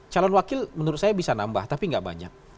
calon wakil menurut saya bisa nambah tapi nggak banyak